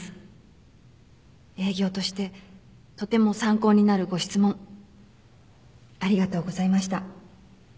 営業としてとても参考になるご質問ありがとうございました